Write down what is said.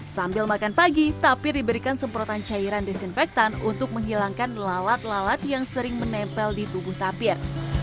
sambil makan pagi tapir diberikan semprotan cairan disinfektan untuk menghilangkan lalat lalat yang sering menempel di tubuh tapir